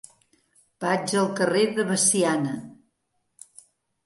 Vaig al carrer de Veciana.